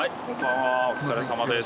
お疲れさまです。